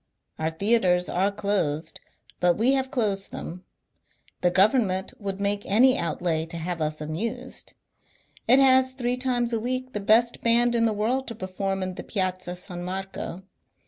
Our theatres are closed, but we have closed them ; the government would make any out lay to have us amused. It has three times a week the best 432 MONCURE DANIEL CONWAY band in the world to perform in the Piazza San Marco.